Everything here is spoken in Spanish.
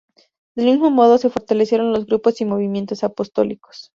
Del mismo modo, se fortalecieron los grupos y movimientos apostólicos.